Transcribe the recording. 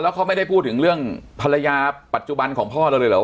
เขาไม่ได้พูดถึงเรื่องภรรยาปัจจุบันของพ่อเราเลยเหรอ